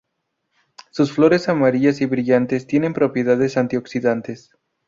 Sus flores amarillas y brillantes tienen propiedades antioxidantes.